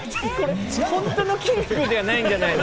本当の筋肉ではないんじゃないの？